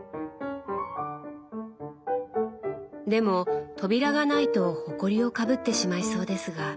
でも扉がないとほこりをかぶってしまいそうですが。